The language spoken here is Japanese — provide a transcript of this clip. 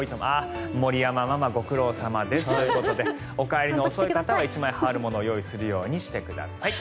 森山ママご苦労様ですということでお帰りの遅い方は１枚羽織るものを用意してください。